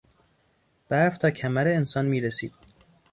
برف تا کمر انسان میرسید.